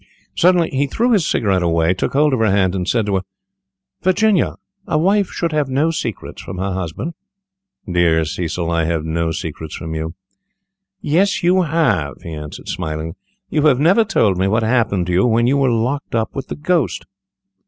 Suddenly he threw his cigarette away, took hold of her hand, and said to her, "Virginia, a wife should have no secrets from her husband." "Dear Cecil! I have no secrets from you." "Yes, you have," he answered, smiling, "you have never told me what happened to you when you were locked up with the ghost."